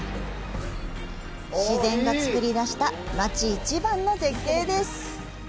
自然がつくり出した街一番の絶景です。